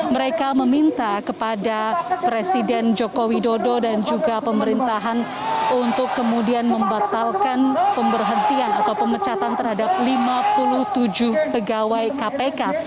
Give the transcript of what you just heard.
mereka meminta kepada presiden joko widodo dan juga pemerintahan untuk kemudian membatalkan pemberhentian atau pemecatan terhadap lima puluh tujuh pegawai kpk